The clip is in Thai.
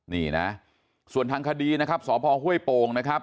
นี่นะส่วนทางคดีนะครับสพห้วยโป่งนะครับ